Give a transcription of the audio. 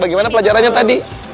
bagaimana pelajarannya tadi